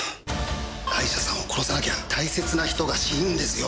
アイシャさんを殺さなきゃ大切な人が死ぬんですよ。